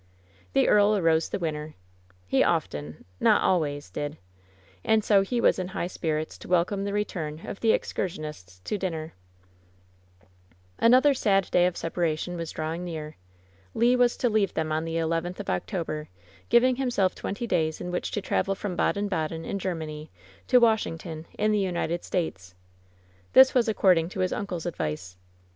The earl arose the winner; he often — ^not always — did. And so he was in high spirits to welcome the re turn of the excursionists to dinner. WHEN SHADOWS DIE IX Amother sad day of separation was drawing near. Le was to leave them on the eleventh of October, giving himself twenty days in which to travel from Baden Baden, in Oermany, to Washington, in the United States. This was according to his uncle's advice.